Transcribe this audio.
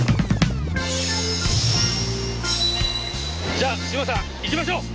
じゃあシウマさん行きましょう！